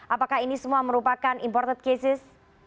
apakah ini semua merupakan imported cases